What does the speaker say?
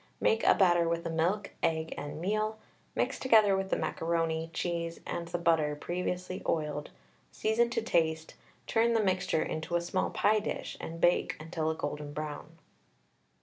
Make a batter with the milk, egg, and meal, mix together with the macaroni, cheese, and the butter, previously oiled, season to taste; turn the mixture into a small pie dish, and bake until a golden brown.